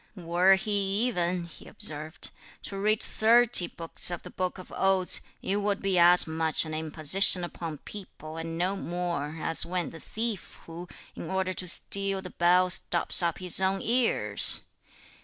"Were he even," he observed, "to read thirty books of the Book of Odes, it would be as much an imposition upon people and no more, as (when the thief) who, in order to steal the bell, stops up his own ears!